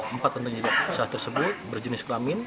empat kantung jenazah tersebut berjenis kelamin